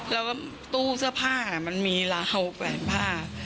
แล้วก็ตู้เสื้อผ้ามันมีราวแฝงผ้า